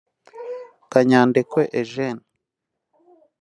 Kanyandekwe Eugene